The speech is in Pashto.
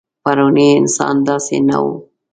پروني انسان داسې نه و.